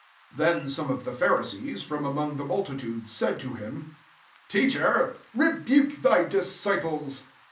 39 Then some of the Phari sees, from among the multitude, said to him, " Teacher, rebuke thy disciples."